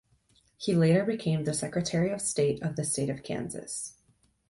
He later became the Secretary of State of the State of Kansas.